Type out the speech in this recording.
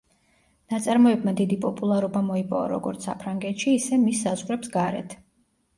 ნაწარმოებმა დიდი პოპულარობა მოიპოვა როგორც საფრანგეთში, ისე მის საზღვრებს გარეთ.